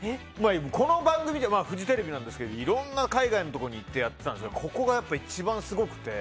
この番組フジテレビなんですけどいろんな海外のところに行ってやってたんですけどここがやっぱ一番すごくて。